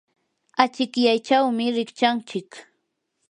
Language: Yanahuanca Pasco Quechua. achikyaychawmi rikchanchik.